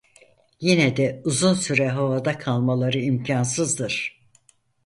Yine de uzun süre havada kalmaları imkânsızdır.